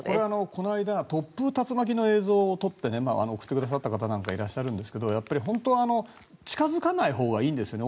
この間突風、竜巻の映像を撮って送ってくださった方がいるんですが本当は近付かないほうがいいんですよね。